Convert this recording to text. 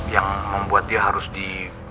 yang membuat dia harus di